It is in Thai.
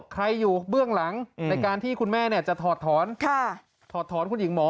ใครอยู่เบื้องหลังในการที่คุณแม่จะถอดถอนถอดถอนคุณหญิงหมอ